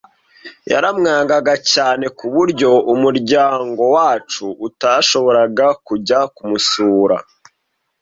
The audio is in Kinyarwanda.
Yaramwangaga cyane kuburyo umuryango wacu utashoboraga kujya kumusura.